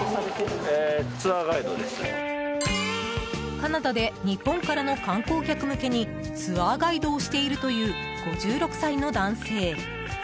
カナダで日本からの観光客向けにツアーガイドをしているという５６歳の男性。